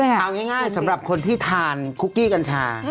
เอาง่ายสำหรับคนที่ทานคุกกี้กัญชา